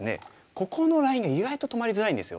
ここのラインが意外と止まりづらいんですよ。